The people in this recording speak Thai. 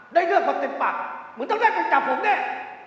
ได้เลือกมาเต็มปากมึงต้องได้เป็นจ่าฝุมเนี่ย